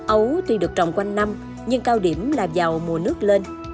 ấu tuy được trồng quanh năm nhưng cao điểm là vào mùa nước lên